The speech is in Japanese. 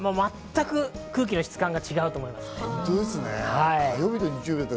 全く空気の質感が違うと思います。